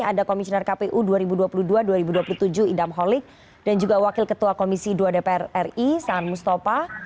ada komisioner kpu dua ribu dua puluh dua dua ribu dua puluh tujuh idam holik dan juga wakil ketua komisi dua dpr ri saan mustafa